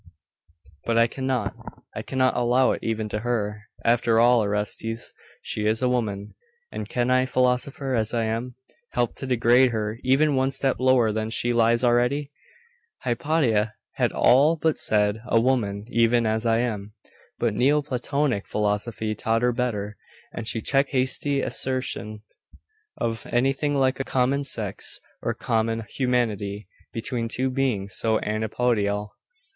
'But I cannot I cannot allow it even to her. After all, Orestes, she is a woman. And can I, philosopher as I am, help to degrade her even one step lower than she lies already?' Hypatia had all but said 'a woman even as I am': but Neo Platonic philosophy taught her better; and she checked the hasty assertion of anything like a common sex or common humanity between two beings so antipodal.